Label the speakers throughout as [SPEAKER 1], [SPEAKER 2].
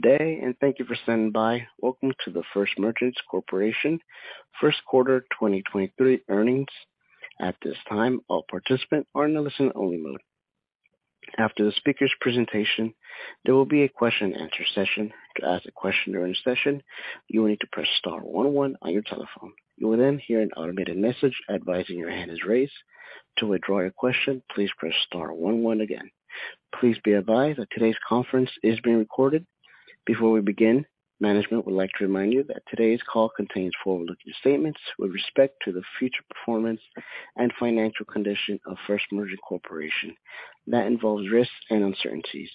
[SPEAKER 1] Good day, thank you for standing by. Welcome to the First Merchants Corporation first quarter 2023 earnings. At this time, all participants are in listen only mode. After the speaker's presentation, there will be a question-and-answer session. To ask a question during the session, you will need to press star one one on your telephone. You will hear an automated message advising your hand is raised. To withdraw your question, please press star one one again. Please be advised that today's conference is being recorded. Before we begin, management would like to remind you that today's call contains forward-looking statements with respect to the future performance and financial condition of First Merchants Corporation. That involves risks and uncertainties.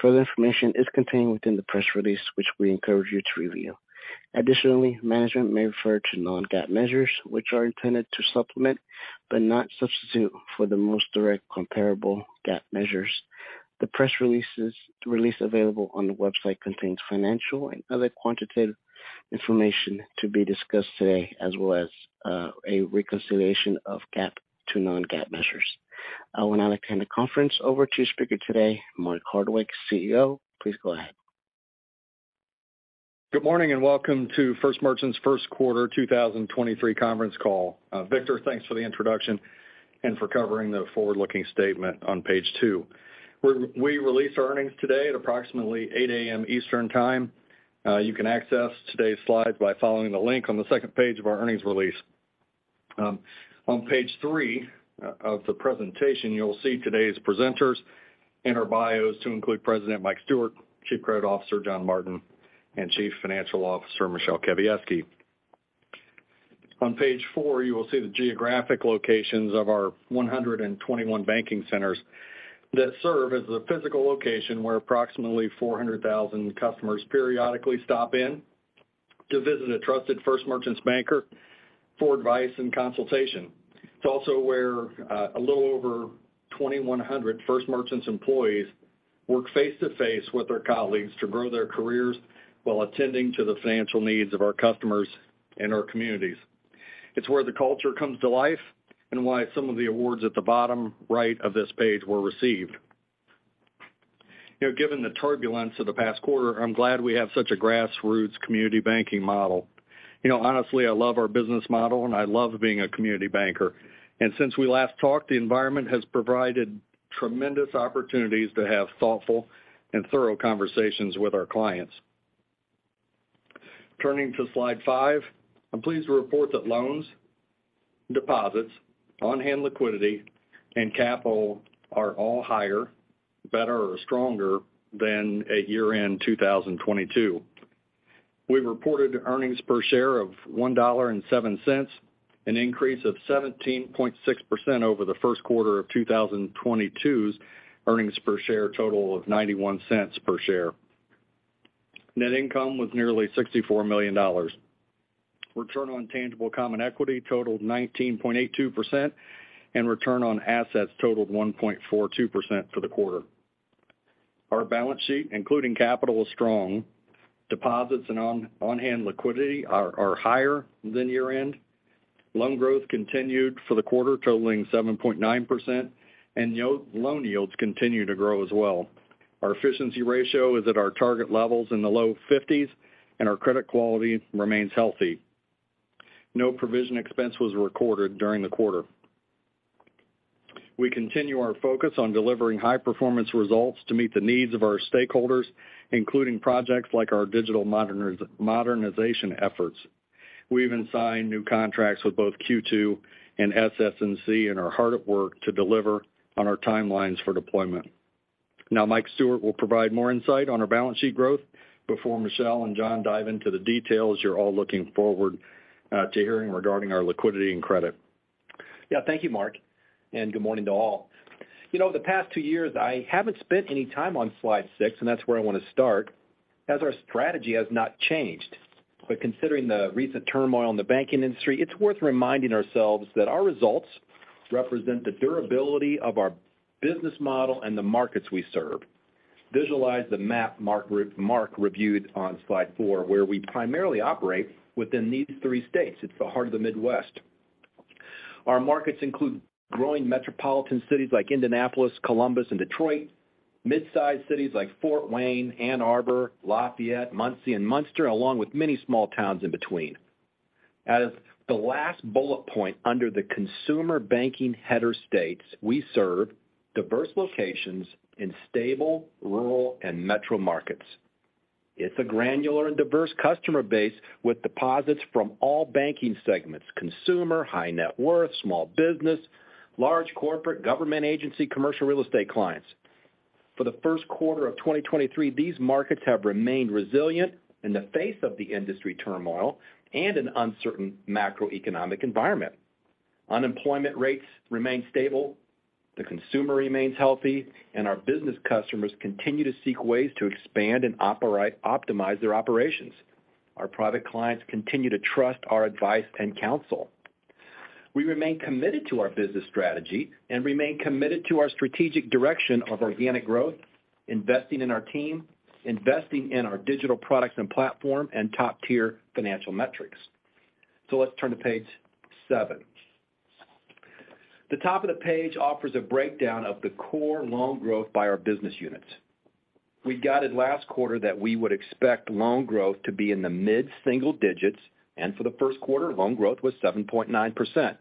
[SPEAKER 1] Further information is contained within the press release, which we encourage you to review. Additionally, management may refer to non-GAAP measures, which are intended to supplement, but not substitute, for the most direct comparable GAAP measures. The press release available on the website contains financial and other quantitative information to be discussed today, as well as a reconciliation of GAAP to non-GAAP measures. I will now hand the conference over to speaker today, Mark Hardwick, CEO. Please go ahead.
[SPEAKER 2] Good morning and welcome to First Merchants first quarter 2023 conference call. Victor, thanks for the introduction and for covering the forward-looking statement on page two. We released our earnings today at approximately 8:00 A.M. Eastern Time. You can access today's slides by following the link on the second page of our earnings release. On page three of the presentation, you'll see today's presenters and our bios to include President Mike Stewart, Chief Credit Officer John Martin, and Chief Financial Officer Michele Kawiecki. On page four, you will see the geographic locations of our 121 banking centers that serve as the physical location where approximately 400,000 customers periodically stop in to visit a trusted First Merchants banker for advice and consultation. It's also where a little over 2,100 First Merchants employees work face-to-face with their colleagues to grow their careers while attending to the financial needs of our customers and our communities. It's where the culture comes to life and why some of the awards at the bottom right of this page were received. You know, given the turbulence of the past quarter, I'm glad we have such a grassroots community banking model. You know, honestly, I love our business model, and I love being a community banker. Since we last talked, the environment has provided tremendous opportunities to have thoughtful and thorough conversations with our clients. Turning to slide five. I'm pleased to report that loans, deposits, on-hand liquidity, and capital are all higher, better or stronger than at year-end 2022. We've reported earnings per share of $1.07, an increase of 17.6% over the first quarter of 2022's earnings per share total of $0.91 per share. Net income was nearly $64 million. Return on tangible common equity totaled 19.82%. Return on assets totaled 1.42% for the quarter. Our balance sheet, including capital, is strong. Deposits and on-hand liquidity are higher than year-end. Loan growth continued for the quarter, totaling 7.9%. Loan yields continue to grow as well. Our efficiency ratio is at our target levels in the low 50s. Our credit quality remains healthy. No provision expense was recorded during the quarter. We continue our focus on delivering high-performance results to meet the needs of our stakeholders, including projects like our digital modernization efforts. We even signed new contracts with both Q2 and SS&C and are hard at work to deliver on our timelines for deployment. Mike Stewart will provide more insight on our balance sheet growth before Michele and John dive into the details you're all looking forward to hearing regarding our liquidity and credit.
[SPEAKER 3] Yeah. Thank you, Mark, and good morning to all. You know, the past two years, I haven't spent any time on slide six, and that's where I want to start, as our strategy has not changed. Considering the recent turmoil in the banking industry, it's worth reminding ourselves that our results represent the durability of our business model and the markets we serve. Visualize the map Mark reviewed on slide four, where we primarily operate within these three states. It's the heart of the Midwest. Our markets include growing metropolitan cities like Indianapolis, Columbus, and Detroit, mid-sized cities like Fort Wayne, Ann Arbor, Lafayette, Muncie, and Munster, along with many small towns in between. As the last bullet point under the consumer banking header states, we serve diverse locations in stable, rural, and metro markets. It's a granular and diverse customer base with deposits from all banking segments, consumer, high net worth, small business, large corporate, government agency, commercial real estate clients. For the first quarter of 2023, these markets have remained resilient in the face of the industry turmoil and an uncertain macroeconomic environment. Unemployment rates remain stable, the consumer remains healthy, and our business customers continue to seek ways to expand and optimize their operations. Our private clients continue to trust our advice and counsel. We remain committed to our business strategy and remain committed to our strategic direction of organic growth, investing in our team, investing in our digital products and platform, and top-tier financial metrics. Let's turn to page seven. The top of the page offers a breakdown of the core loan growth by our business units. We guided last quarter that we would expect loan growth to be in the mid-single digits, and for the first quarter, loan growth was 7.9%.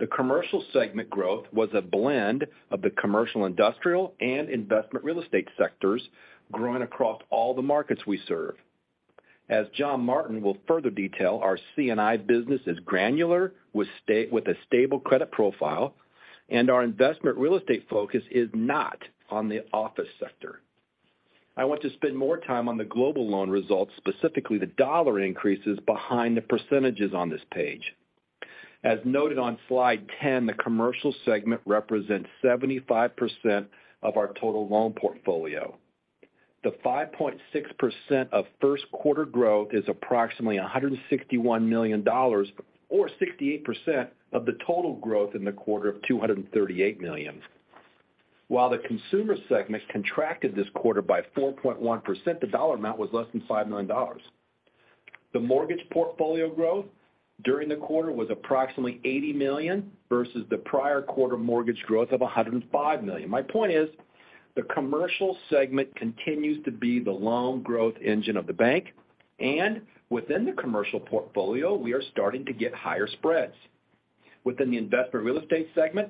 [SPEAKER 3] The commercial segment growth was a blend of the commercial, industrial, and investment real estate sectors growing across all the markets we serve. As John Martin will further detail, our C&I business is granular with a stable credit profile, and our investment real estate focus is not on the office sector. I want to spend more time on the global loan results, specifically the dollar increases behind the percentages on this page. As noted on slide 10, the commercial segment represents 75% of our total loan portfolio. The 5.6% of first quarter growth is approximately $161 million or 68% of the total growth in the quarter of $238 million. While the consumer segment contracted this quarter by 4.1%, the dollar amount was less than $5 million. The mortgage portfolio growth during the quarter was approximately $80 million versus the prior quarter mortgage growth of $105 million. My point is, the commercial segment continues to be the loan growth engine of the bank, and within the commercial portfolio, we are starting to get higher spreads. Within the investment real estate segment,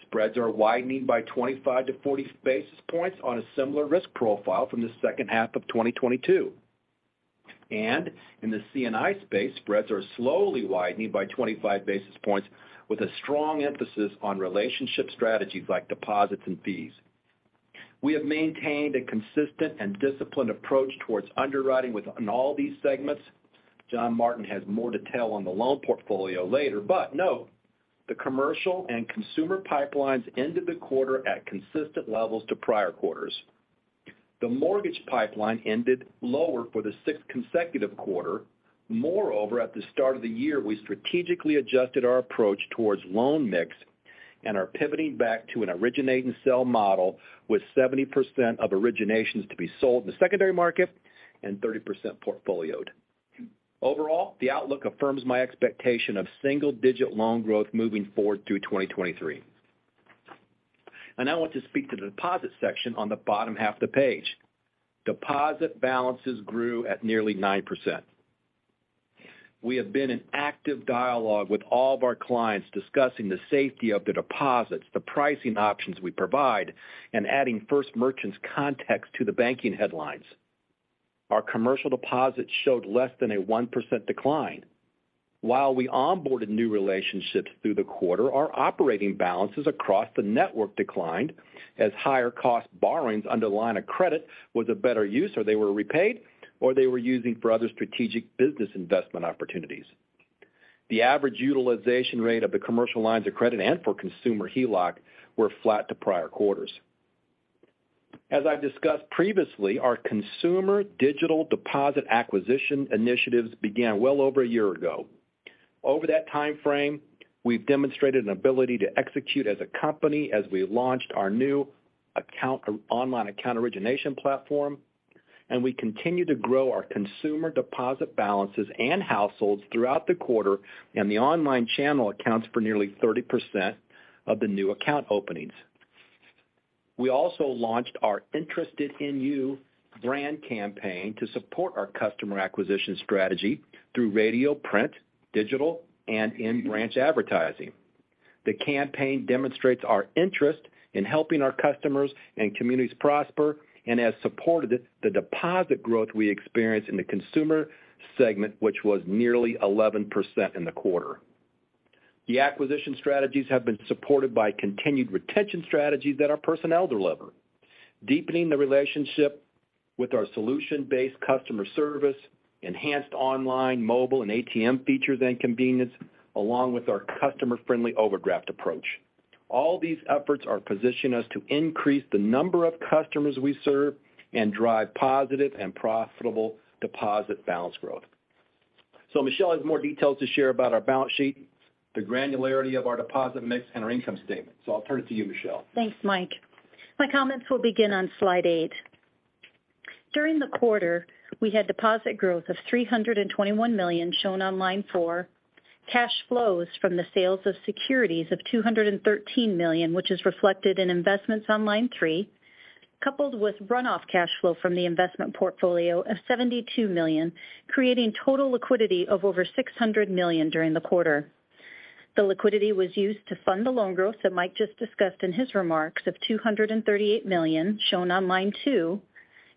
[SPEAKER 3] spreads are widening by 25-40 basis points on a similar risk profile from the second half of 2022. In the C&I space, spreads are slowly widening by 25 basis points with a strong emphasis on relationship strategies like deposits and fees. We have maintained a consistent and disciplined approach towards underwriting within all these segments. John Martin has more detail on the loan portfolio later. Note, the commercial and consumer pipelines ended the quarter at consistent levels to prior quarters. The mortgage pipeline ended lower for the 6th consecutive quarter. Moreover, at the start of the year, we strategically adjusted our approach towards loan mix and are pivoting back to an originate and sell model with 70% of originations to be sold in the secondary market and 30% portfolio-ed. Overall, the outlook affirms my expectation of single-digit loan growth moving forward through 2023. I now want to speak to the deposit section on the bottom half of the page. Deposit balances grew at nearly 9%. We have been in active dialogue with all of our clients discussing the safety of the deposits, the pricing options we provide, and adding First Merchants context to the banking headlines. Our commercial deposits showed less than a 1% decline. While we onboarded new relationships through the quarter, our operating balances across the network declined as higher cost borrowings under line of credit was a better use, or they were repaid, or they were using for other strategic business investment opportunities. The average utilization rate of the commercial lines of credit and for consumer HELOC were flat to prior quarters. As I've discussed previously, our consumer digital deposit acquisition initiatives began well over a year ago. Over that time frame, we've demonstrated an ability to execute as a company as we launched our online account origination platform, and we continue to grow our consumer deposit balances and households throughout the quarter, and the online channel accounts for nearly 30% of the new account openings. We also launched our Interested in You brand campaign to support our customer acquisition strategy through radio, print, digital, and in-branch advertising. The campaign demonstrates our interest in helping our customers and communities prosper and has supported the deposit growth we experienced in the consumer segment, which was nearly 11% in the quarter. The acquisition strategies have been supported by continued retention strategies that our personnel deliver. Deepening the relationship with our solution-based customer service, enhanced online, mobile, and ATM features and convenience, along with our customer-friendly overdraft approach. All these efforts are positioning us to increase the number of customers we serve and drive positive and profitable deposit balance growth. Michelle has more details to share about our balance sheet, the granularity of our deposit mix and our income statement. I'll turn it to you, Michelle.
[SPEAKER 4] Thanks, Mike. My comments will begin on slide eight. During the quarter, we had deposit growth of $321 million shown on line four, cash flows from the sales of securities of $213 million, which is reflected in investments on line three, coupled with run-off cash flow from the investment portfolio of $72 million, creating total liquidity of over $600 million during the quarter. The liquidity was used to fund the loan growth that Mike just discussed in his remarks of $238 million shown on line two,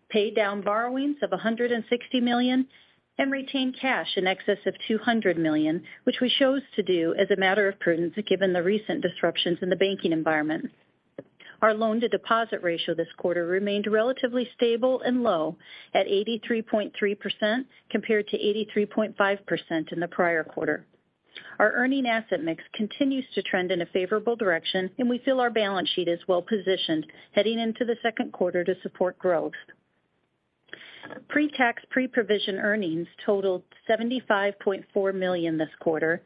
[SPEAKER 4] pay down borrowings of $160 million, and retain cash in excess of $200 million, which we chose to do as a matter of prudence, given the recent disruptions in the banking environment. Our loan-to-deposit ratio this quarter remained relatively stable and low at 83.3% compared to 83.5% in the prior quarter. Our earning asset mix continues to trend in a favorable direction, and we feel our balance sheet is well-positioned heading into the second quarter to support growth. Pre-tax, pre-provision earnings totaled $75.4 million this quarter.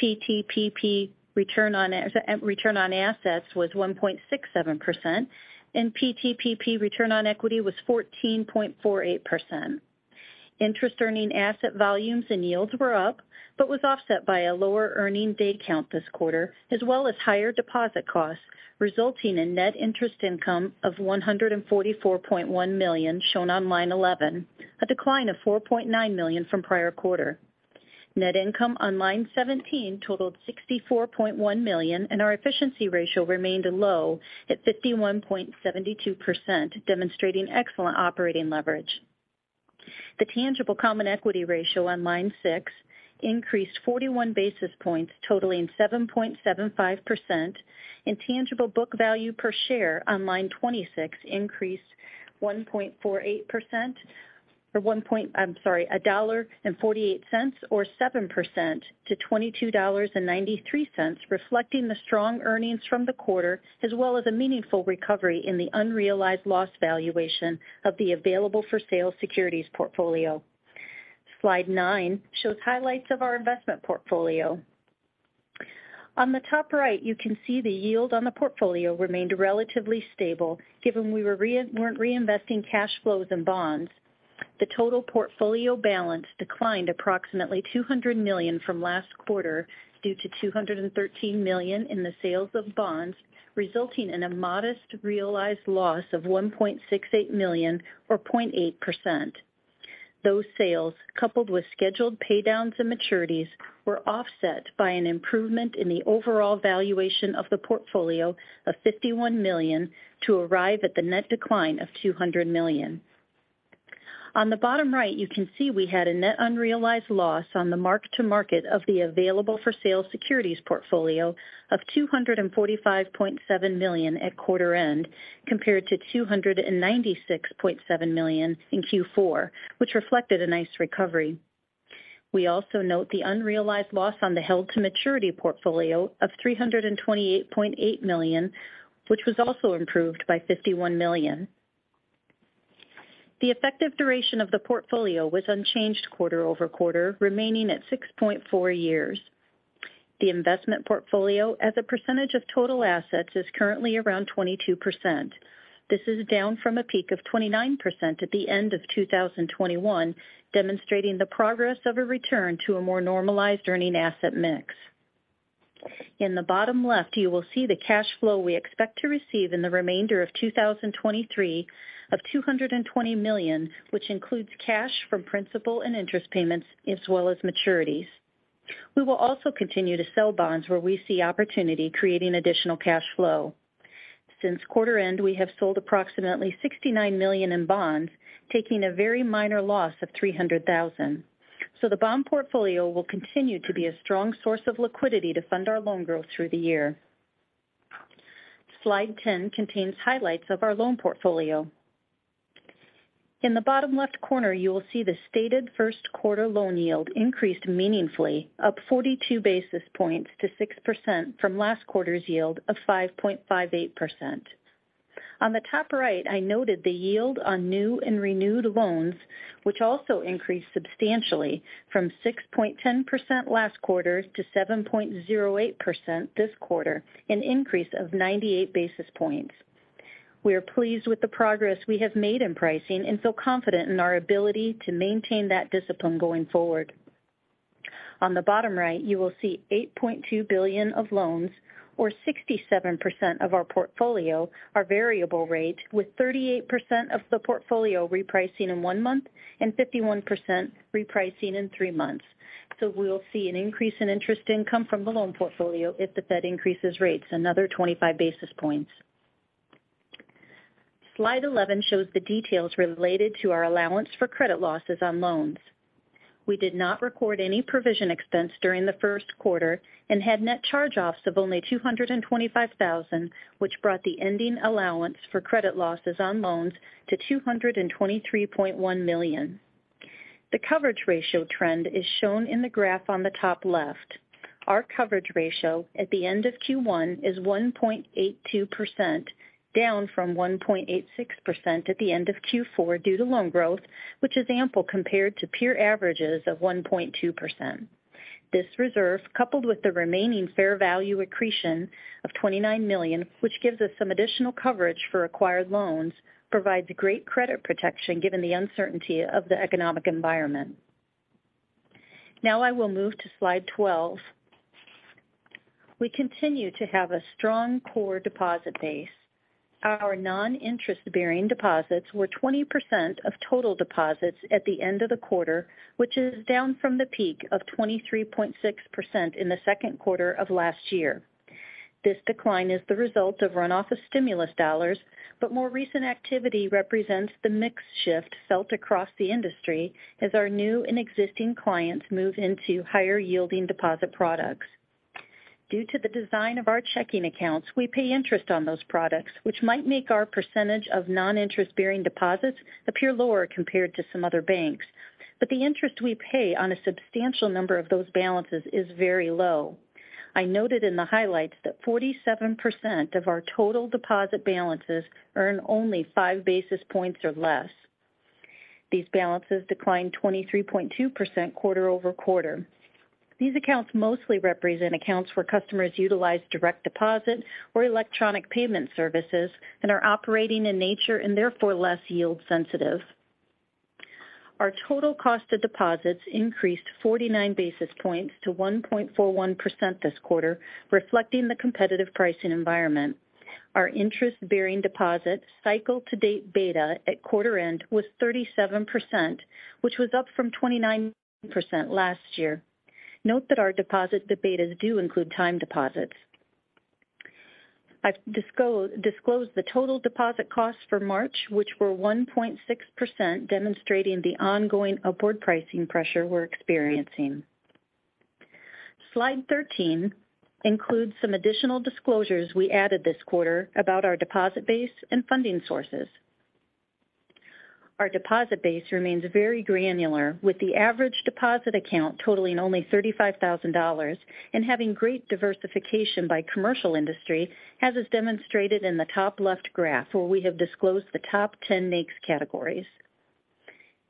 [SPEAKER 4] PTPP return on assets was 1.67%, and PTPP return on equity was 14.48%. Interest earning asset volumes and yields were up but was offset by a lower earning day count this quarter, as well as higher deposit costs, resulting in net interest income of $144.1 million shown on line 11, a decline of $4.9 million from prior quarter. Net income on line 17 totaled $64.1 million. Our efficiency ratio remained low at 51.72%, demonstrating excellent operating leverage. The tangible common equity ratio on line six increased 41 basis points totaling 7.75%. Tangible book value per share on line 26 increased 1.48% for $1.48 or 7%-$22.93, reflecting the strong earnings from the quarter as well as a meaningful recovery in the unrealized loss valuation of the available for sale securities portfolio. Slide 9 shows highlights of our investment portfolio. On the top right, you can see the yield on the portfolio remained relatively stable given we weren't reinvesting cash flows and bonds. The total portfolio balance declined approximately $200 million from last quarter due to $213 million in the sales of bonds, resulting in a modest realized loss of $1.68 million or 0.8%. Those sales, coupled with scheduled pay downs and maturities, were offset by an improvement in the overall valuation of the portfolio of $51 million to arrive at the net decline of $200 million. On the bottom right, you can see we had a net unrealized loss on the mark to market of the available for sale securities portfolio of $245.7 million at quarter end, compared to $296.7 million in Q4, which reflected a nice recovery. We also note the unrealized loss on the held to maturity portfolio of $328.8 million, which was also improved by $51 million. The effective duration of the portfolio was unchanged quarter-over-quarter, remaining at 6.4 years. The investment portfolio as a percentage of total assets is currently around 22%. This is down from a peak of 29% at the end of 2021, demonstrating the progress of a return to a more normalized earning asset mix. In the bottom left, you will see the cash flow we expect to receive in the remainder of 2023 of $220 million, which includes cash from principal and interest payments as well as maturities. We will also continue to sell bonds where we see opportunity creating additional cash flow. Since quarter end, we have sold approximately $69 million in bonds, taking a very minor loss of $300,000. The bond portfolio will continue to be a strong source of liquidity to fund our loan growth through the year. Slide 10 contains highlights of our loan portfolio. In the bottom left corner, you will see the stated first quarter loan yield increased meaningfully, up 42 basis points to 6% from last quarter's yield of 5.58%. On the top right, I noted the yield on new and renewed loans, which also increased substantially from 6.10% last quarter to 7.08% this quarter, an increase of 98 basis points. We are pleased with the progress we have made in pricing and feel confident in our ability to maintain that discipline going forward. On the bottom right, you will see $8.2 billion of loans or 67% of our portfolio are variable rate, with 38% of the portfolio repricing in one month and 51% repricing in three months. We'll see an increase in interest income from the loan portfolio if the Fed increases rates another 25 basis points. Slide 11 shows the details related to our allowance for credit losses on loans. We did not record any provision expense during the first quarter and had net charge offs of only $225,000, which brought the ending allowance for credit losses on loans to $223.1 million. The coverage ratio trend is shown in the graph on the top left. Our coverage ratio at the end of Q1 is 1.82%, down from 1.86% at the end of Q4 due to loan growth, which is ample compared to peer averages of 1.2%. This reserve, coupled with the remaining fair value accretion of $29 million, which gives us some additional coverage for acquired loans, provides great credit protection given the uncertainty of the economic environment. I will move to slide 12. We continue to have a strong core deposit base. Our non-interest-bearing deposits were 20% of total deposits at the end of the quarter, which is down from the peak of 23.6% in the second quarter of last year. This decline is the result of runoff of stimulus dollars, but more recent activity represents the mix shift felt across the industry as our new and existing clients move into higher yielding deposit products. Due to the design of our checking accounts, we pay interest on those products, which might make our percentage of non-interest-bearing deposits appear lower compared to some other banks. The interest we pay on a substantial number of those balances is very low. I noted in the highlights that 47% of our total deposit balances earn only five basis points or less. These balances declined 23.2% quarter-over-quarter. These accounts mostly represent accounts where customers utilize direct deposit or electronic payment services and are operating in nature and therefore less yield sensitive. Our total cost of deposits increased 49 basis points to 1.41% this quarter, reflecting the competitive pricing environment. Our interest-bearing deposit cycle-to-date beta at quarter end was 37%, which was up from 29% last year. Note that our deposit betas do include time deposits. I've disclosed the total deposit costs for March, which were 1.6%, demonstrating the ongoing upward pricing pressure we're experiencing. Slide 13 includes some additional disclosures we added this quarter about our deposit base and funding sources. Our deposit base remains very granular, with the average deposit account totaling only $35,000 and having great diversification by commercial industry, as is demonstrated in the top left graph, where we have disclosed the top 10 NAICS categories.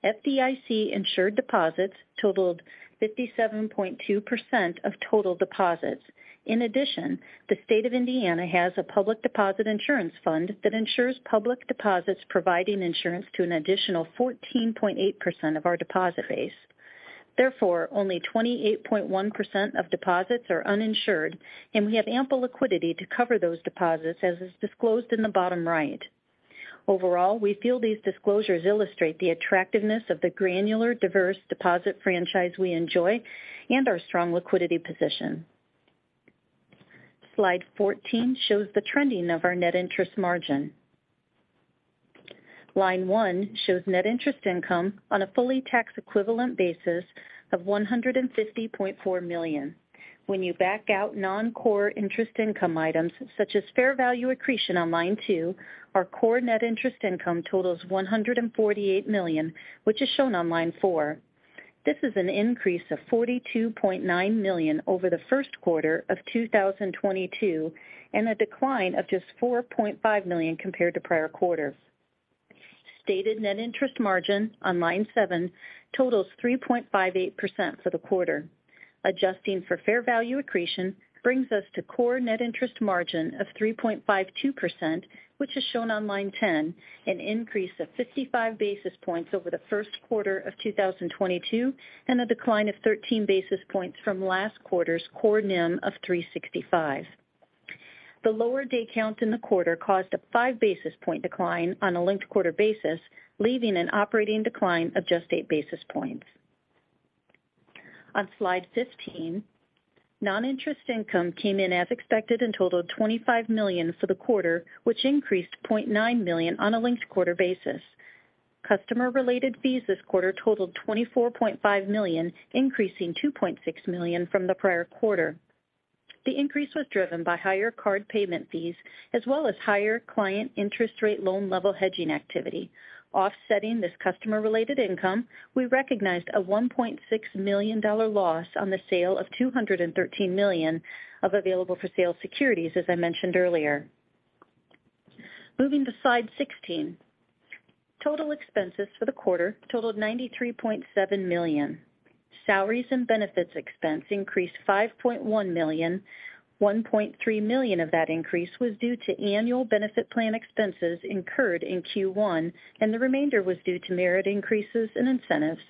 [SPEAKER 4] FDIC insured deposits totaled 57.2% of total deposits. In addition, the State of Indiana has a Public Deposit Insurance Fund that insures public deposits providing insurance to an additional 14.8% of our deposit base. Only 28.1% of deposits are uninsured, and we have ample liquidity to cover those deposits, as is disclosed in the bottom right. Overall, we feel these disclosures illustrate the attractiveness of the granular, diverse deposit franchise we enjoy and our strong liquidity position. Slide 14 shows the trending of our net interest margin. Line one shows net interest income on a fully tax equivalent basis of $150.4 million. When you back out non-core interest income items such as fair value accretion on line two, our core net interest income totals $148 million, which is shown on line four. This is an increase of $42.9 million over the first quarter of 2022 and a decline of just $4.5 million compared to prior quarter. Stated net interest margin on line seven totals 3.58% for the quarter. Adjusting for fair value accretion brings us to core net interest margin of 3.52%, which is shown on line 10, an increase of 55 basis points over the first quarter of 2022, and a decline of 13 basis points from last quarter's core NIM of 3.65%. The lower day count in the quarter caused a five-basis point decline on a linked quarter basis, leaving an operating decline of just eight basis points. On slide 15, non-interest income came in as expected and totaled $25 million for the quarter, which increased $0.9 million on a linked quarter basis. Customer related fees this quarter totaled $24.5 million, increasing $2.6 million from the prior quarter. The increase was driven by higher card payment fees as well as higher client interest rate loan level hedging activity. Offsetting this customer related income, we recognized a $1.6 million loss on the sale of $213 million of available for sale securities as I mentioned earlier. Moving to slide 16. Total expenses for the quarter totaled $93.7 million. Salaries and benefits expense increased $5.1 million. $1.3 million of that increase was due to annual benefit plan expenses incurred in Q1, and the remainder was due to merit increases and incentives.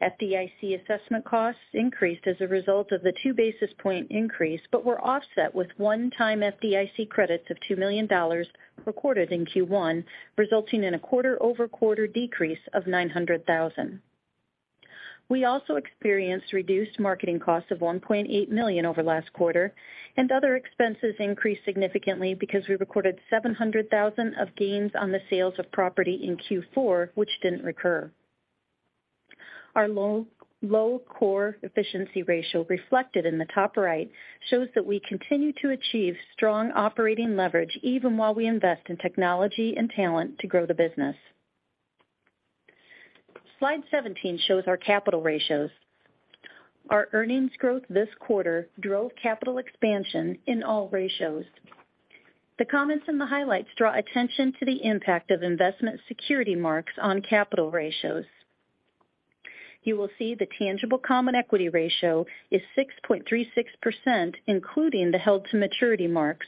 [SPEAKER 4] FDIC assessment costs increased as a result of the two-basis point increase, were offset with one-time FDIC credits of $2 million recorded in Q1, resulting in a quarter-over-quarter decrease of $900,000. We also experienced reduced marketing costs of $1.8 million over last quarter. Other expenses increased significantly because we recorded $700,000 of gains on the sales of property in Q4, which didn't recur. Our low, low core efficiency ratio reflected in the top right shows that we continue to achieve strong operating leverage even while we invest in technology and talent to grow the business. Slide 17 shows our capital ratios. Our earnings growth this quarter drove capital expansion in all ratios. The comments in the highlights draw attention to the impact of investment security marks on capital ratios. You will see the tangible common equity ratio is 6.36%, including the held to maturity marks,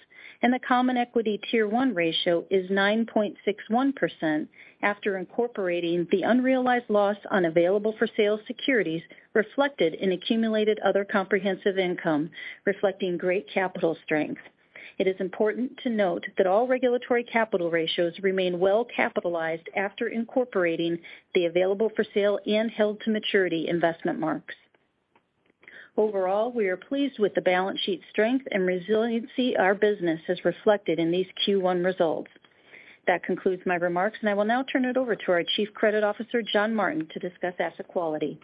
[SPEAKER 4] the common equity Tier one ratio is 9.61% after incorporating the unrealized loss on available for sale securities reflected in accumulated other comprehensive income, reflecting great capital strength. It is important to note that all regulatory capital ratios remain well capitalized after incorporating the available for sale and held to maturity investment marks. Overall, we are pleased with the balance sheet strength and resiliency our business has reflected in these Q1 results. That concludes my remarks, I will now turn it over to our Chief Credit Officer, John Martin, to discuss asset quality.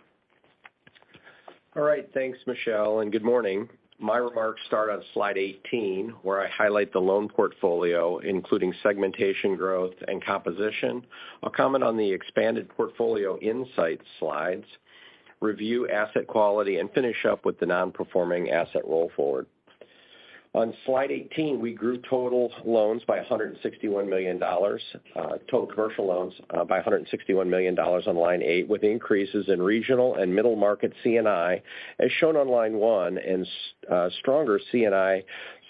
[SPEAKER 5] All right, thanks, Michele, and good morning. My remarks start on slide 18, where I highlight the loan portfolio, including segmentation growth and composition. I'll comment on the expanded portfolio insight slides, review asset quality, and finish up with the non-performing asset roll forward. On slide 18, we grew total loans by $161 million, total commercial loans by $161 million on line eight, with increases in regional and middle-market C&I, as shown on line one, and stronger C&I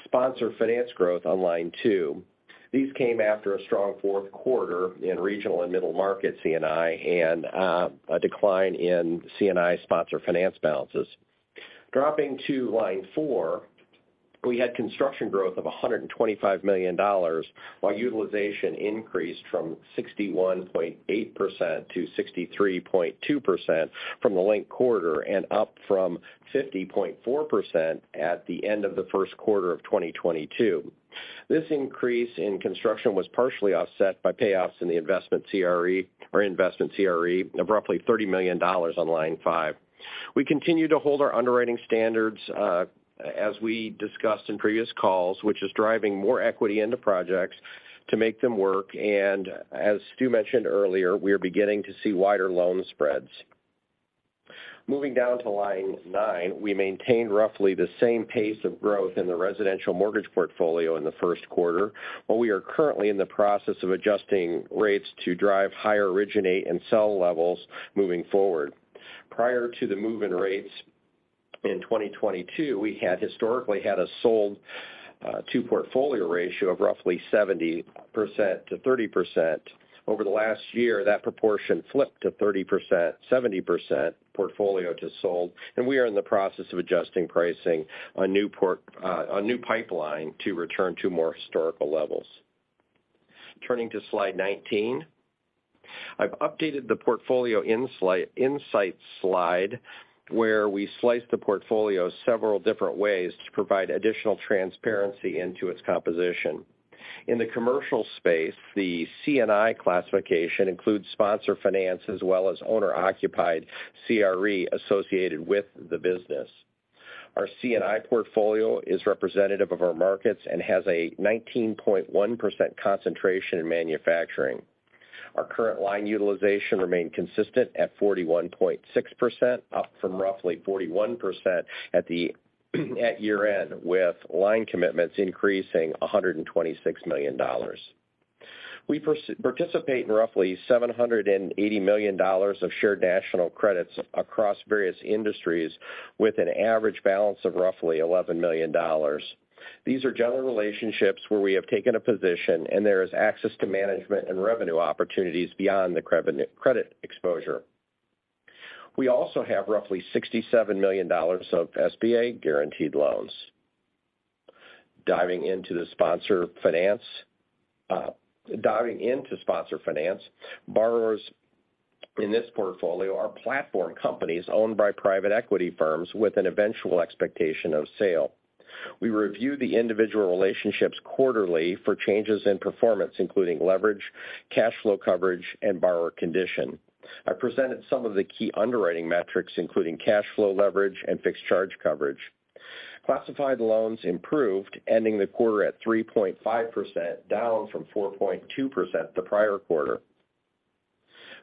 [SPEAKER 5] Sponsor Finance growth on line two. These came after a strong fourth quarter in regional and middle-market C&I and a decline in C&I Sponsor Finance balances. Dropping to line four, we had construction growth of $125 million, while utilization increased from 61.8%-63.2% from the linked quarter and up from 50.4% at the end of the first quarter of 2022. This increase in construction was partially offset by payoffs in the investment CRE or investment CRE of roughly $30 million on line five. We continue to hold our underwriting standards, as we discussed in previous calls, which is driving more equity into projects to make them work. As Stu mentioned earlier, we are beginning to see wider loan spreads. Moving down to line nine, we maintained roughly the same pace of growth in the residential mortgage portfolio in the first quarter, while we are currently in the process of adjusting rates to drive higher originate and sell levels moving forward. Prior to the move in rates in 2022, we had historically had a sold to portfolio ratio of roughly 70%-30%. Over the last year, that proportion flipped to 30%, 70% portfolio to sold. We are in the process of adjusting pricing on new pipeline to return to more historical levels. Turning to slide 19. I've updated the portfolio insight slide, where we slice the portfolio several different ways to provide additional transparency into its composition. In the commercial space, the C&I classification includes Sponsor Finance as well as owner-occupied CRE associated with the business. Our C&I portfolio is representative of our markets and has a 19.1% concentration in manufacturing. Our current line utilization remained consistent at 41.6%, up from roughly 41% at year-end, with line commitments increasing $126 million. We participate in roughly $780 million of Shared National Credits across various industries with an average balance of roughly $11 million. These are general relationships where we have taken a position, and there is access to management and revenue opportunities beyond the credit exposure. We also have roughly $67 million of SBA guaranteed loans. Diving into Sponsor Finance, borrowers in this portfolio are platform companies owned by private equity firms with an eventual expectation of sale. We review the individual relationships quarterly for changes in performance, including leverage, cash flow coverage, and borrower condition. I presented some of the key underwriting metrics, including cash flow leverage and fixed charge coverage. Classified loans improved, ending the quarter at 3.5%, down from 4.2% the prior quarter.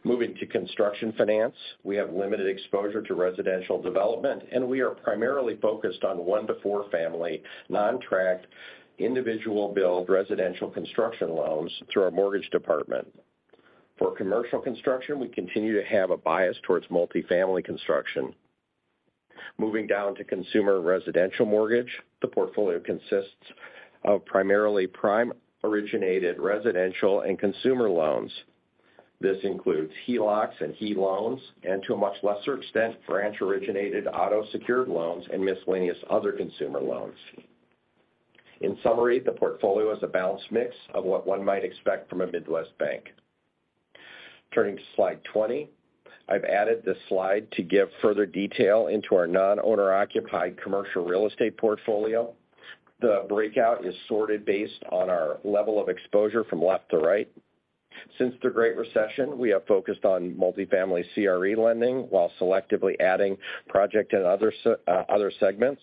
[SPEAKER 5] Moving to construction finance, we have limited exposure to residential development, and we are primarily focused on one-to-four family, non-tract, individual build residential construction loans through our mortgage department. For commercial construction, we continue to have a bias towards multifamily construction. Moving down to consumer residential mortgage, the portfolio consists of primarily prime originated residential and consumer loans. This includes HELOCs and HE loans and to a much lesser extent, branch originated auto secured loans and miscellaneous other consumer loans. In summary, the portfolio is a balanced mix of what one might expect from a Midwest bank. Turning to slide 20. I've added this slide to give further detail into our non-owner occupied commercial real estate portfolio. The breakout is sorted based on our level of exposure from left to right. Since the Great Recession, we have focused on multifamily CRE lending while selectively adding project and other segments.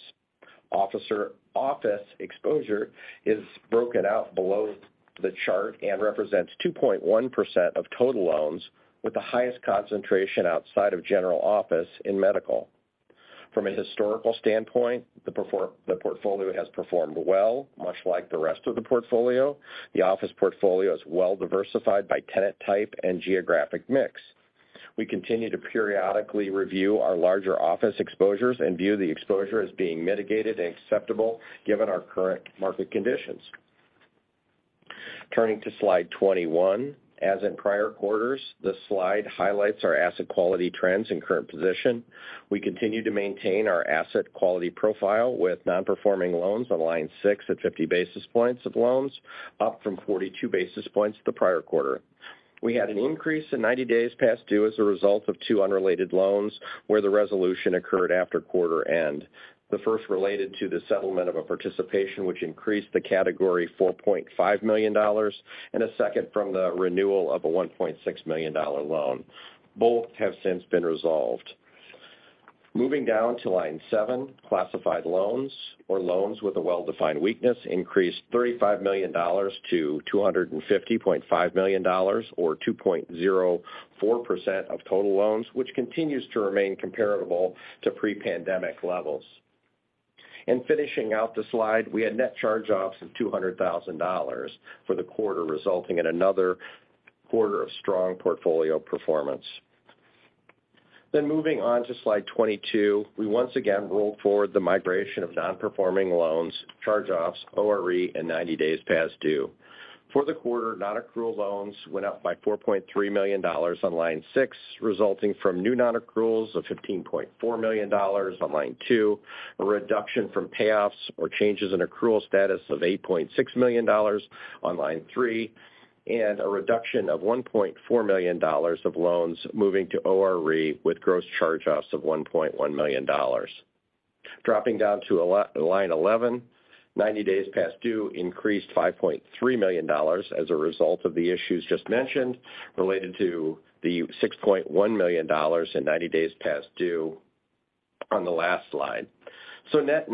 [SPEAKER 5] Office exposure is broken out below the chart and represents 2.1% of total loans with the highest concentration outside of general office in medical. From a historical standpoint, the portfolio has performed well, much like the rest of the portfolio. The office portfolio is well diversified by tenant type and geographic mix. We continue to periodically review our larger office exposures and view the exposure as being mitigated and acceptable given our current market conditions. Turning to slide 21. As in prior quarters, this slide highlights our asset quality trends and current position. We continue to maintain our asset quality profile with non-performing loans on line six at 50 basis points of loans, up from 42 basis points the prior quarter. We had an increase in 90 days past due as a result of two unrelated loans where the resolution occurred after quarter end. The first related to the settlement of a participation which increased the category $4.5 million, and a second from the renewal of a $1.6 million loan. Both have since been resolved. Moving down to line seven, classified loans or loans with a well-defined weakness increased $35 million-$250.5 million or 2.04% of total loans, which continues to remain comparable to pre-pandemic levels. Finishing out the slide, we had net charge-offs of $200,000 for the quarter, resulting in another quarter of strong portfolio performance. Moving on to slide 22, we once again rolled forward the migration of non-performing loans, charge-offs, ORE, and 90 days past due. For the quarter, non-accrual loans went up by $4.3 million on line six, resulting from new non-accruals of $15.4 million on line two, a reduction from payoffs or changes in accrual status of $8.6 million on line three, and a reduction of $1.4 million of loans moving to ORE, with gross charge-offs of $1.1 million. Dropping down to line 11, 90 days past due increased $5.3 million as a result of the issues just mentioned, related to the $6.1 million in 90 days past due on the last slide. Net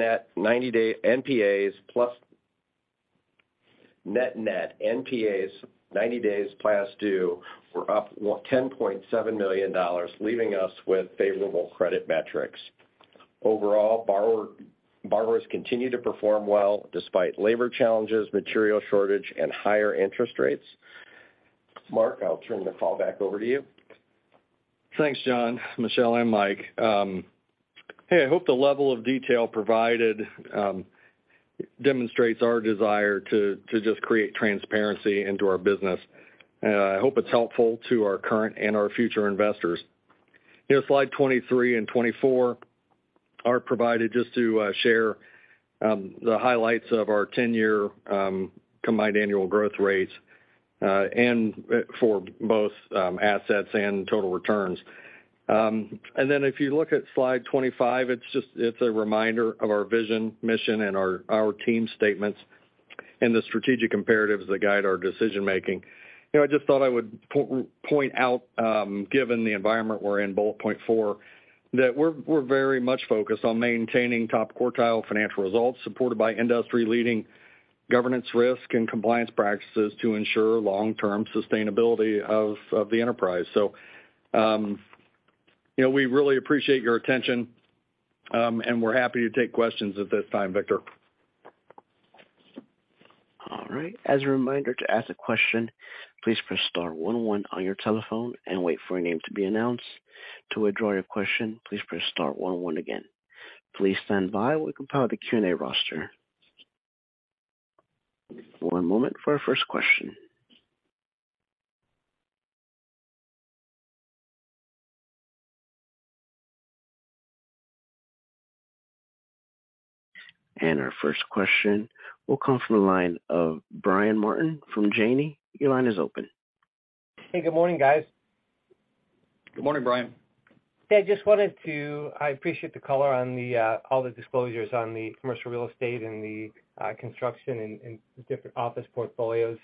[SPEAKER 5] net NPAs 90 days past due were up $10.7 million, leaving us with favorable credit metrics. Overall, borrowers continue to perform well despite labor challenges, material shortage, and higher interest rates. Mark, I'll turn the call back over to you.
[SPEAKER 2] Thanks, John, Michele, and Mike. Hey, I hope the level of detail provided demonstrates our desire to just create transparency into our business. I hope it's helpful to our current and our future investors. You know, slide 23 and 24 are provided just to share the highlights of our 10-year combined annual growth rates and for both assets and total returns. If you look at slide 25, it's a reminder of our vision, mission, and our team statements and the strategic imperatives that guide our decision-making. You know, I just thought I would point out, given the environment we're in, bullet point four, that we're very much focused on maintaining top quartile financial results supported by industry-leading governance risk and compliance practices to ensure long-term sustainability of the enterprise. You know, we really appreciate your attention, and we're happy to take questions at this time, Victor.
[SPEAKER 1] All right. As a reminder to ask a question, please press star one one on your telephone and wait for your name to be announced. To withdraw your question, please press star one one again. Please stand by while we compile the Q&A roster. One moment for our first question. Our first question will come from the line of Brian Martin from Janney. Your line is open.
[SPEAKER 6] Hey, good morning, guys.
[SPEAKER 5] Good morning, Brian.
[SPEAKER 6] I appreciate the color on all the disclosures on the commercial real estate and the construction and different office portfolios.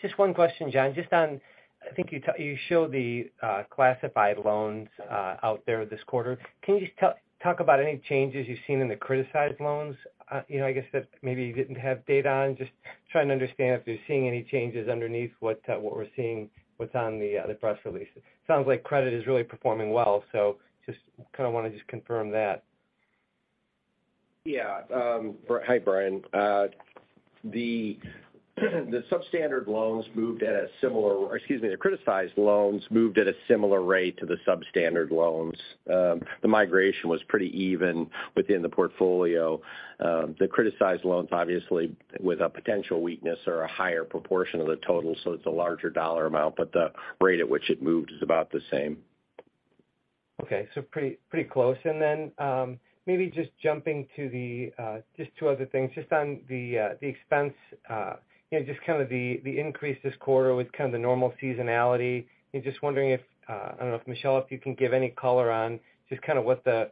[SPEAKER 6] Just one question, John. I think you showed the classified loans out there this quarter. Can you just talk about any changes you've seen in the criticized loans? You know, I guess that maybe you didn't have data on. Just trying to understand if you're seeing any changes underneath what we're seeing, what's on the press releases. Sounds like credit is really performing well, just kind of wanna confirm that.
[SPEAKER 5] Hi, Brian. Excuse me, the criticized loans moved at a similar rate to the substandard loans. The migration was pretty even within the portfolio. The criticized loans, obviously, with a potential weakness are a higher proportion of the total, so it's a larger dollar amount, but the rate at which it moved is about the same.
[SPEAKER 6] Okay. Pretty, pretty close. Then, maybe just jumping to the just two other things. Just on the the expense, you know, just kind of the the increase this quarter with kind of the normal seasonality. I'm just wondering if I don't know, if Michelle, if you can give any color on just kind of what the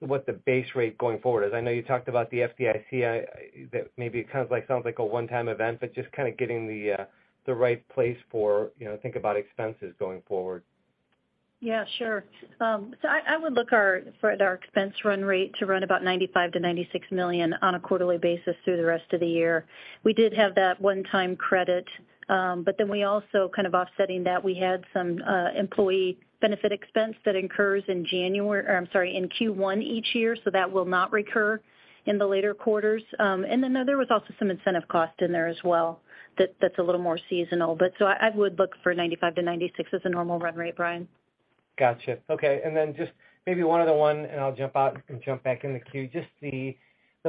[SPEAKER 6] what the base rate going forward is. I know you talked about the FDIC, that maybe it kind of sounds like a one-time event, but just kind of getting the the right place for, you know, think about expenses going forward.
[SPEAKER 4] Yeah, sure. I would look for our expense run rate to run about $95 million-$96 million on a quarterly basis through the rest of the year. We did have that one-time credit, we also kind of offsetting that, we had some employee benefit expense that incurs, I'm sorry, in Q1 each year, so that will not recur in the later quarters. There was also some incentive cost in there as well, that's a little more seasonal. I would look for $95 million-$96 million as a normal run rate, Brian.
[SPEAKER 6] Gotcha. Okay. Just maybe one other one, I'll jump out and jump back in the queue. Just the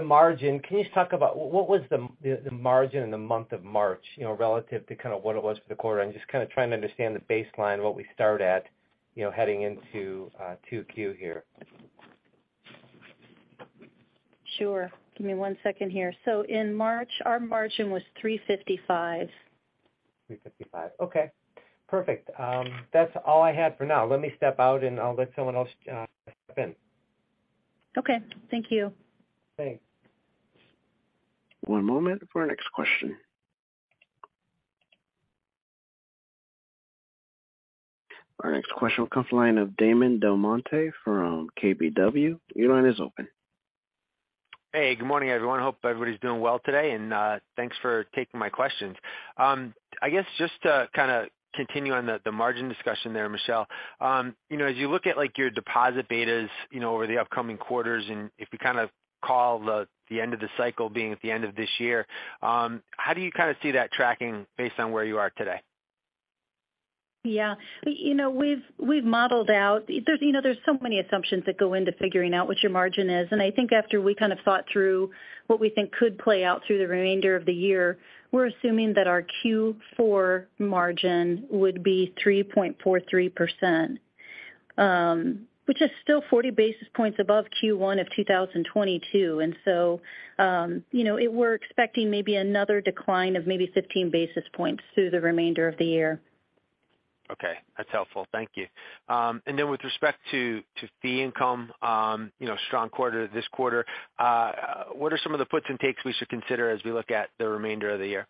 [SPEAKER 6] margin. Can you just talk about what was the margin in the month of March, you know, relative to kind of what it was for the quarter? I'm just kind of trying to understand the baseline, what we start at, you know, heading into 2Q here.
[SPEAKER 4] Sure. Give me one second here. In March, our margin was 3.55.
[SPEAKER 6] 3:55. Okay, perfect. That's all I had for now. Let me step out and I'll let someone else step in.
[SPEAKER 4] Okay. Thank you.
[SPEAKER 6] Thanks.
[SPEAKER 1] One moment for our next question. Our next question comes line of Damon DelMonte from KBW. Your line is open.
[SPEAKER 7] Hey, good morning, everyone. Hope everybody's doing well today, and thanks for taking my questions. I guess just to kinda continue on the margin discussion there, Michele. You know, as you look at like your deposit betas, you know, over the upcoming quarters, and if you kind of call the end of the cycle being at the end of this year, how do you kinda see that tracking based on where you are today?
[SPEAKER 4] Yeah. You know, we've modeled out. There's, you know, there's so many assumptions that go into figuring out what your margin is. I think after we kind of thought through what we think could play out through the remainder of the year, we're assuming that our Q4 margin would be 3.43%, which is still 40 basis points above Q1 of 2022. You know, we're expecting maybe another decline of maybe 15 basis points through the remainder of the year.
[SPEAKER 7] Okay. That's helpful. Thank you. With respect to fee income, you know, strong quarter this quarter, what are some of the puts and takes we should consider as we look at the remainder of the year?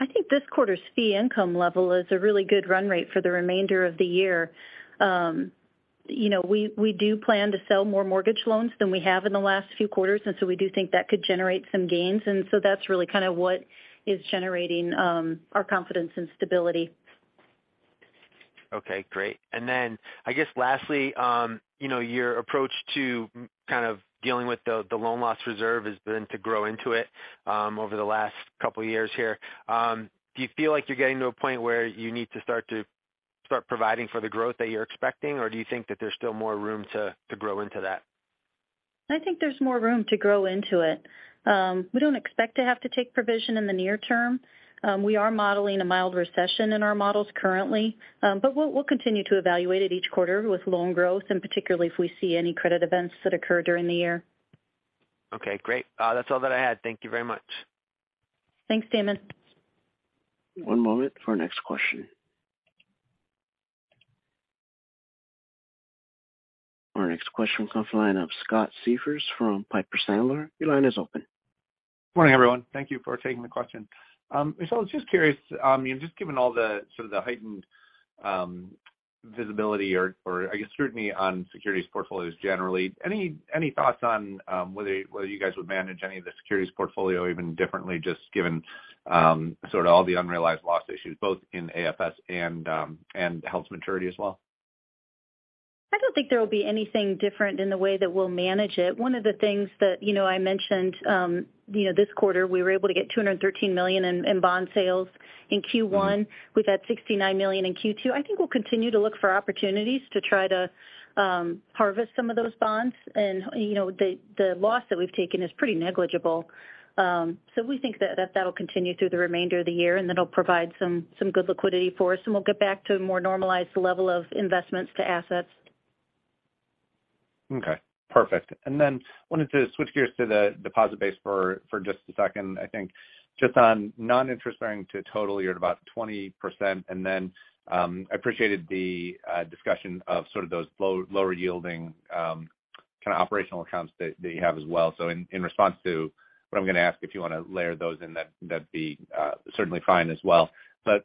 [SPEAKER 4] I think this quarter's fee income level is a really good run rate for the remainder of the year. You know, we do plan to sell more mortgage loans than we have in the last few quarters, and so we do think that could generate some gains. That's really kind of what is generating our confidence and stability.
[SPEAKER 7] Okay, great. I guess lastly, you know, your approach to kind of dealing with the loan loss reserve has been to grow into it, over the last couple years here. Do you feel like you're getting to a point where you need to start providing for the growth that you're expecting, or do you think that there's still more room to grow into that?
[SPEAKER 4] I think there's more room to grow into it. We don't expect to have to take provision in the near term. We are modeling a mild recession in our models currently, we'll continue to evaluate it each quarter with loan growth and particularly if we see any credit events that occur during the year.
[SPEAKER 7] Okay, great. That's all that I had. Thank you very much.
[SPEAKER 4] Thanks, Damon.
[SPEAKER 1] One moment for our next question. Our next question comes the line of Scott Siefers from Piper Sandler. Your line is open.
[SPEAKER 8] Morning, everyone. Thank you for taking the question. Michelle, I was just curious, just given all the sort of the heightened visibility or I guess scrutiny on securities portfolios generally, any thoughts on whether you guys would manage any of the securities portfolio even differently just given sort of all the unrealized loss issues both in AFS and held to maturity as well?
[SPEAKER 4] I don't think there will be anything different in the way that we'll manage it. One of the things that, you know, I mentioned, you know, this quarter we were able to get $213 million in bond sales in Q1. We've had $69 million in Q2. I think we'll continue to look for opportunities to try to harvest some of those bonds. You know, the loss that we've taken is pretty negligible. We think that'll continue through the remainder of the year, and that'll provide some good liquidity for us, and we'll get back to a more normalized level of investments to assets.
[SPEAKER 8] Okay. Perfect. Then wanted to switch gears to the deposit base for just a second. I think just on non-interest bearing to total, you're at about 20%. Then, I appreciated the discussion of sort of those lower yielding kind of operational accounts that you have as well. In, in response to what I'm gonna ask, if you wanna layer those in that'd be certainly fine as well.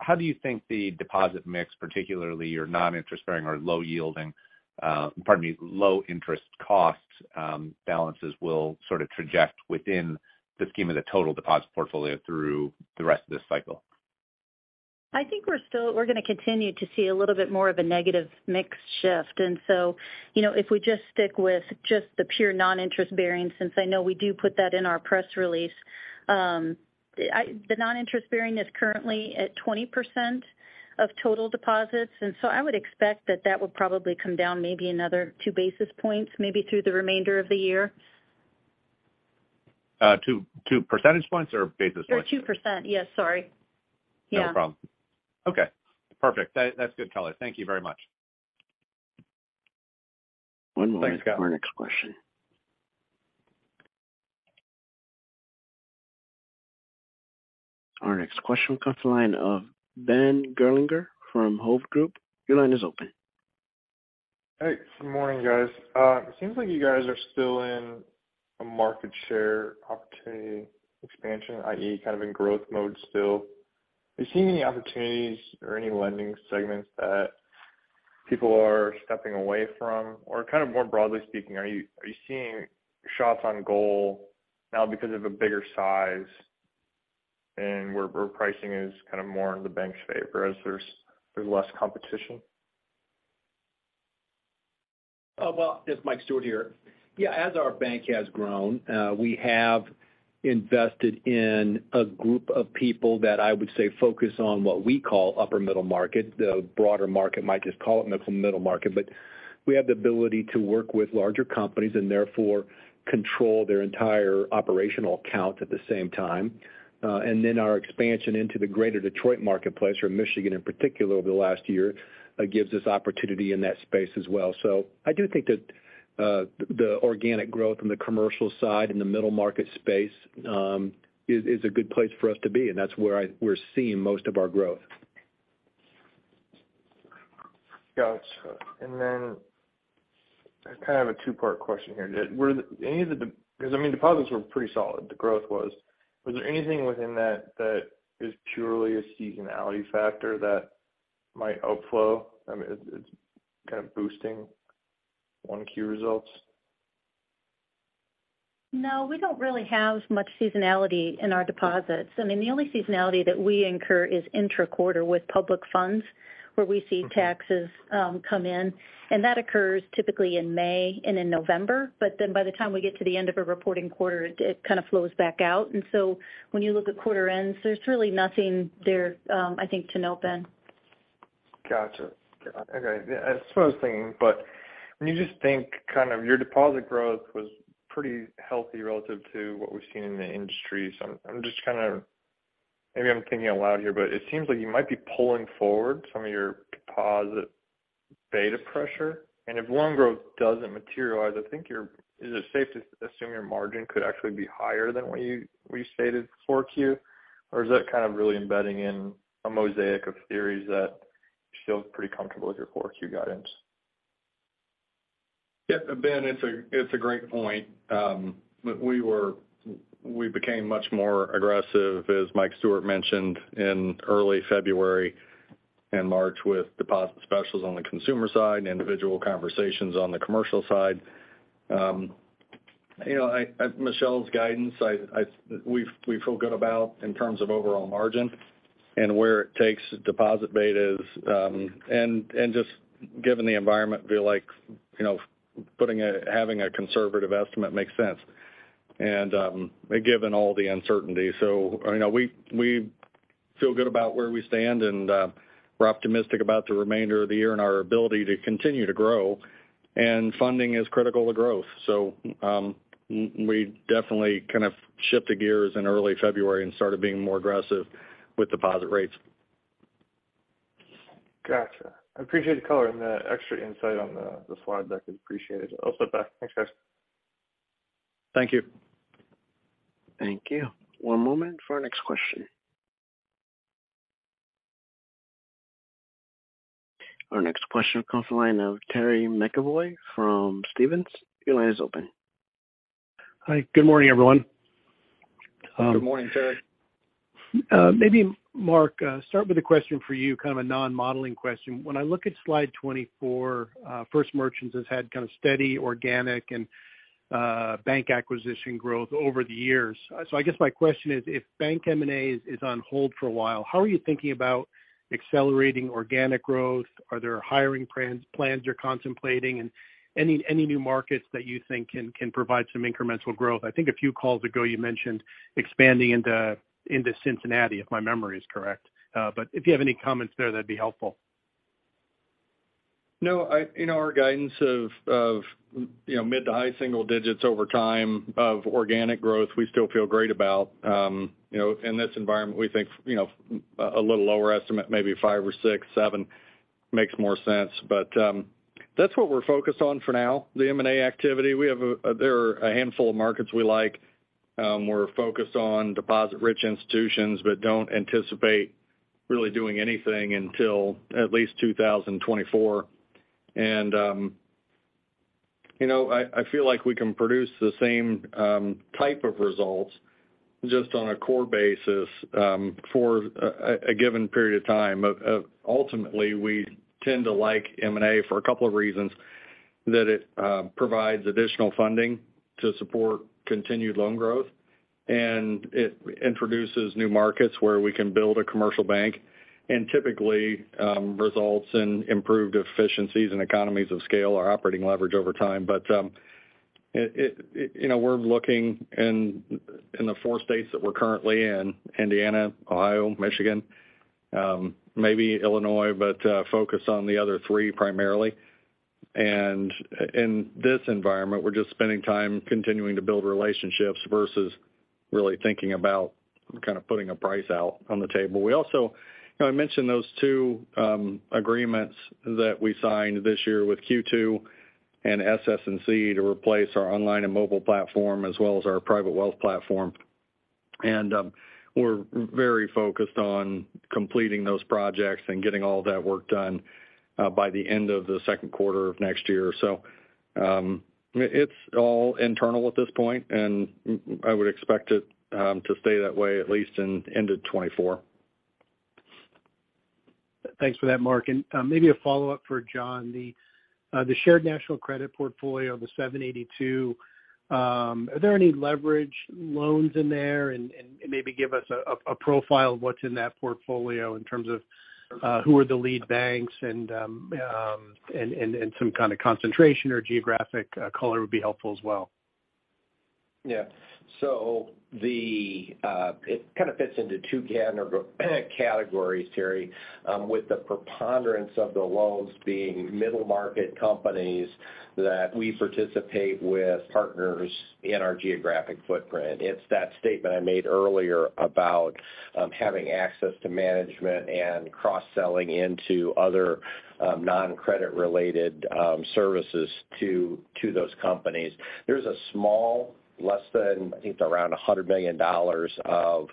[SPEAKER 8] How do you think the deposit mix, particularly your non-interest bearing or low yielding, pardon me, low interest cost balances will sort of traject within the scheme of the total deposit portfolio through the rest of this cycle?
[SPEAKER 4] I think we're gonna continue to see a little bit more of a negative mix shift. You know, if we just stick with just the pure non-interest bearing, since I know we do put that in our press release. The non-interest bearing is currently at 20% of total deposits. I would expect that that would probably come down maybe another two basis points, maybe through the remainder of the year.
[SPEAKER 8] Two percentage points or basis points?
[SPEAKER 4] 2%. Yes. Sorry. Yeah.
[SPEAKER 8] No problem. Okay. Perfect. That's good color. Thank you very much.
[SPEAKER 1] One moment.
[SPEAKER 2] Thanks Scott.
[SPEAKER 1] for our next question. Our next question comes the line of Ben Gerlinger from Hovde Group. Your line is open.
[SPEAKER 9] Hey, good morning, guys. It seems like you guys are still in a market share opportunity expansion, i.e., kind of in growth mode still. Are you seeing any opportunities or any lending segments that people are stepping away from? Kind of more broadly speaking, are you seeing shots on goal now because of a bigger size and where pricing is kind of more in the bank's favor as there's less competition?
[SPEAKER 3] Well, it's Mike Stewart here. Yeah, as our bank has grown, we have invested in a group of people that I would say focus on what we call upper middle market. The broader market might just call it middle market. We have the ability to work with larger companies and therefore control their entire operational account at the same time. Then our expansion into the greater Detroit marketplace or Michigan in particular over the last year, gives us opportunity in that space as well. I do think that the organic growth on the commercial side and the middle market space is a good place for us to be, and that's where we're seeing most of our growth.
[SPEAKER 10] Gotcha. Then.
[SPEAKER 9] I kind of have a two-part question here. Were any of the 'cause, I mean, deposits were pretty solid, the growth was. Was there anything within that that is purely a seasonality factor that might outflow? I mean, it's kind of boosting 1Q results.
[SPEAKER 4] We don't really have much seasonality in our deposits. I mean, the only seasonality that we incur is intra-quarter with public funds, where we see taxes come in. That occurs typically in May and in November. By the time we get to the end of a reporting quarter, it kind of flows back out. When you look at quarter ends, there's really nothing there, I think to note, Ben.
[SPEAKER 9] Gotcha. Okay. Yeah, that's what I was thinking. When you just think kind of your deposit growth was pretty healthy relative to what we've seen in the industry. I'm just kind of, maybe I'm thinking out loud here, but it seems like you might be pulling forward some of your deposit beta pressure. If loan growth doesn't materialize, I think is it safe to assume your margin could actually be higher than what you, what you stated for 4Q? Is that kind of really embedding in a mosaic of theories that you feel pretty comfortable with your 4Q guidance?
[SPEAKER 2] Yeah. Ben, it's a great point. We became much more aggressive, as Mike Stewart mentioned, in early February and March with deposit specials on the consumer side and individual conversations on the commercial side. You know, Michele Kawiecki's guidance, we feel good about in terms of overall margin and where it takes deposit betas. Just given the environment, we feel like, you know, having a conservative estimate makes sense and given all the uncertainty. You know, we feel good about where we stand, and we're optimistic about the remainder of the year and our ability to continue to grow. Funding is critical to growth. We definitely kind of shifted gears in early February and started being more aggressive with deposit rates.
[SPEAKER 9] Gotcha. I appreciate the color and the extra insight on the slide. That was appreciated. I'll step back. Thanks, guys.
[SPEAKER 2] Thank you.
[SPEAKER 1] Thank you. One moment for our next question. Our next question comes from the line of Terry McEvoy from Stephens. Your line is open.
[SPEAKER 11] Hi. Good morning, everyone.
[SPEAKER 2] Good morning, Terry.
[SPEAKER 11] Maybe Mark, start with a question for you, kind of a non-modeling question. When I look at slide 24, First Merchants has had kind of steady organic and bank acquisition growth over the years. I guess my question is, if bank M&A is on hold for a while, how are you thinking about accelerating organic growth? Are there hiring plans you're contemplating? Any new markets that you think can provide some incremental growth? I think a few calls ago you mentioned expanding into Cincinnati, if my memory is correct. If you have any comments there, that'd be helpful.
[SPEAKER 2] No, you know, our guidance of, you know, mid to high single digits over time of organic growth, we still feel great about. You know, in this environment, we think, you know, a little lower estimate, maybe 5% or 6%, 7% makes more sense. That's what we're focused on for now. The M&A activity, there are a handful of markets we like. We're focused on deposit-rich institutions but don't anticipate really doing anything until at least 2024. You know, I feel like we can produce the same type of results just on a core basis, for a given period of time. Ultimately, we tend to like M&A for two reasons, that it provides additional funding to support continued loan growth, and it introduces new markets where we can build a commercial bank and typically results in improved efficiencies and economies of scale, our operating leverage over time. You know, we're looking in the four states that we're currently in, Indiana, Ohio, Michigan, maybe Illinois, focused on the other three primarily. In this environment, we're just spending time continuing to build relationships versus really thinking about kind of putting a price out on the table. We also, you know, I mentioned those two agreements that we signed this year with Q2 and SS&C to replace our online and mobile platform, as well as our private wealth platform. We're very focused on completing those projects and getting all that work done by the end of the second quarter of next year. It's all internal at this point, and I would expect it to stay that way at least in into 2024.
[SPEAKER 11] Thanks for that, Mark. Maybe a follow-up for John. The Shared National Credit portfolio, the 782, are there any leverage loans in there? Maybe give us a profile of what's in that portfolio in terms of who are the lead banks and some kind of concentration or geographic color would be helpful as well.
[SPEAKER 5] Yeah. It kind of fits into two gen or categories, Terry, with the preponderance of the loans being middle market companies that we participate with partners in our geographic footprint. It's that statement I made earlier about having access to management and cross-selling into other non-credit related services to those companies. There's a small, less than, I think, around $100 million of,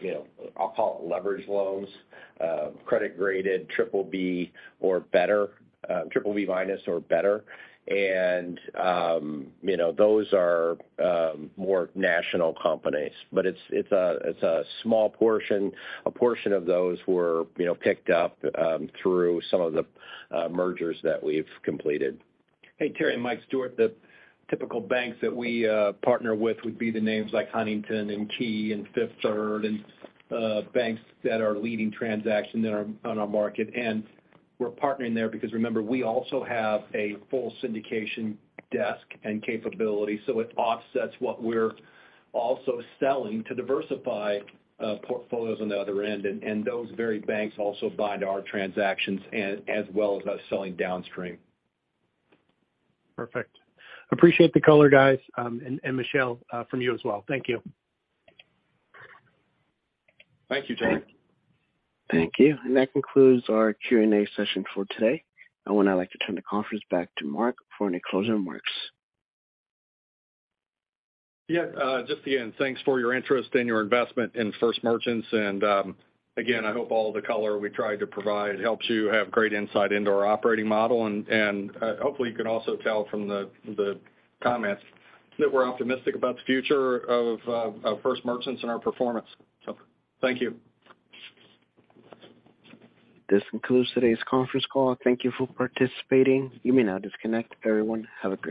[SPEAKER 5] you know, I'll call it leverage loans, credit graded triple B or better, triple B minus or better. You know, those are more national companies. It's a small portion. A portion of those were, you know, picked up through some of the mergers that we've completed.
[SPEAKER 2] Hey, Terry, Mike Stewart. The typical banks that we partner with would be the names like Huntington and Key and Fifth Third and banks that are leading transaction that are on our market. We're partnering there because remember, we also have a full syndication desk and capability. It offsets what we're also selling to diversify, portfolios on the other end. Those very banks also buy into our transactions as well as us selling downstream.
[SPEAKER 11] Perfect. Appreciate the color, guys. Michele, from you as well. Thank you.
[SPEAKER 2] Thank you, Terry.
[SPEAKER 1] Thank you. That concludes our Q&A session for today. I would now like to turn the conference back to Mark for any closing remarks.
[SPEAKER 2] Yeah. Just again, thanks for your interest and your investment in First Merchants. Again, I hope all the color we tried to provide helps you have great insight into our operating model. Hopefully you can also tell from the comments that we're optimistic about the future of First Merchants and our performance. Thank you.
[SPEAKER 1] This concludes today's conference call. Thank you for participating. You may now disconnect. Everyone, have a great day.